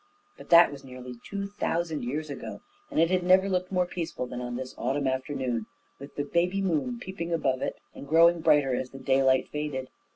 But that was nearly two thousand years ago, and it had never looked more peaceful than on this autumn afternoon, with the baby moon peeping above it and growing brighter as the daylight faded.